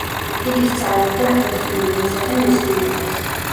იგი სწავლობდა ბერძნულ ენასა და მეცნიერებას.